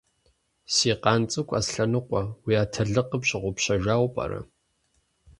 Си къан цӀыкӀу Аслъэныкъуэ! Уи атэлыкъыр пщыгъупщэжауэ пӀэрэ?